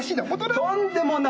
とんでもない。